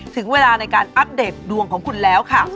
ถึงเวลาในการอัปเดตดวงของคุณแล้วค่ะ